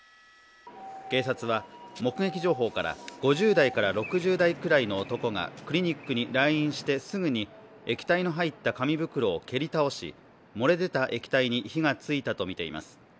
警察は目撃情報から５０代から６０代くらいの男がクリニックに来院してすぐに液体の入った紙袋を蹴り倒し漏れ出た液体に火が付いたとみられています。